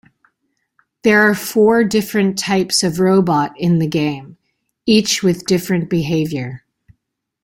There are four different types of robot in the game, each with different behaviour.